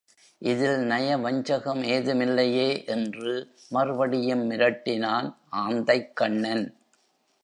இதில் நயவஞ்சகம் ஏதுமில்லையே? என்று மறுபடியும் மிரட்டினான் ஆந்தைக் கண்ணன்.